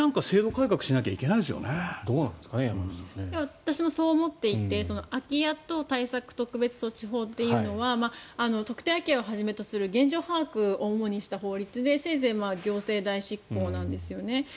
私もそう思っていて空き家等対策特別措置法というのは現状把握をする法律でせいぜい行政代執行なんですよね。